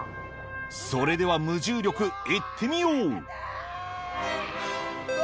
それでは無重力行ってみよううわ。